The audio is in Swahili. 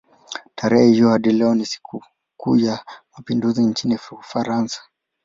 Tarehe hiyo hadi leo ni sikukuu ya mapinduzi nchini Ufaransa.